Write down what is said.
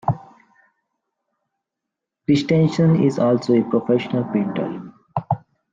Christensen is also a professional painter.